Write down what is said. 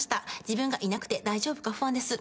「自分がいなくて大丈夫か不安です」